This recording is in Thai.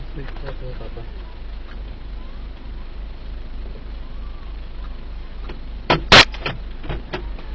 สวัสดีครับพ่อพ่อ